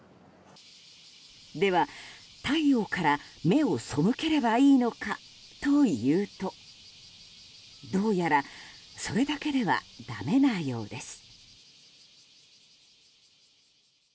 では、太陽から目を背ければいいのかというとどうやらそれだけではだめなようです。